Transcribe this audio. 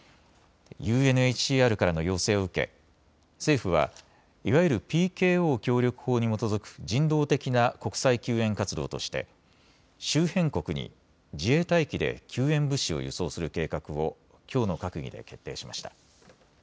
ＵＮＨＣＲからの要請を受け政府はいわゆるＰＫＯ協力法に基づく人道的な国際救援活動として周辺国に自衛隊機で救援物資を輸送する計画をきょうの閣議で決定しました。